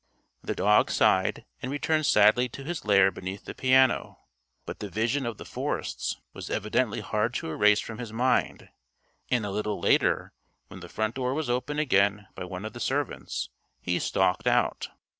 The dog sighed and returned sadly to his lair beneath the piano. But the vision of the forests was evidently hard to erase from his mind. And a little later, when the front door was open again by one of the servants, he stalked out.